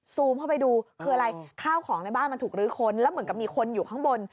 ซูมเข้าไปดูคืออะไรข้าวของในบ้านมันถูกลื้อค้นแล้วเหมือนกับมีคนอยู่ข้างบน